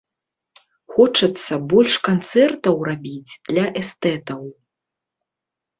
Хочацца больш канцэртаў рабіць для эстэтаў.